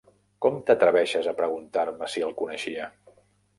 Com t'atreveixes a preguntar-me si el coneixia?